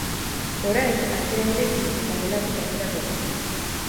Orain, atea ireki, eta gelatik aterako da.